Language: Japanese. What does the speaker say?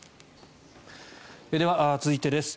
では、続いてです。